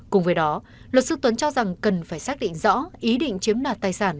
cùng với đó luật sư tuấn cho rằng cần phải xác định rõ ý định chiếm đoạt tài sản